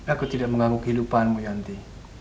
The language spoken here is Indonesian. aku tidak mengganggu kehidupanmu yanti